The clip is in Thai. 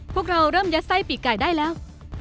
พวกเราเริ่มยัดไส้ปีกไก่ได้แล้ว